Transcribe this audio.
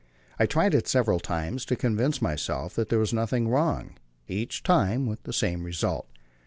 I tried it several times, to convince myself that there was nothing wrong, each time with the same result.